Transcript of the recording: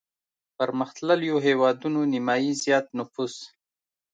پرمختلليو هېوادونو نيمايي زيات نفوس